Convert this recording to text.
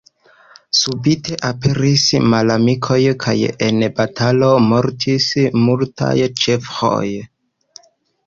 Subite aperis malamikoj kaj en batalo mortis multaj ĉeĥoj.